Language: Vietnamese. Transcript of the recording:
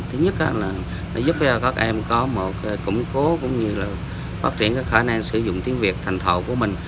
thứ nhất là giúp cho các em có một củng cố cũng như là phát triển khả năng sử dụng tiếng việt thành thầu của mình